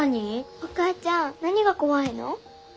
お母ちゃん何が怖いの？